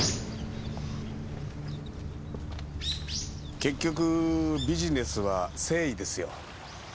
結局ビジネスは誠意ですよ。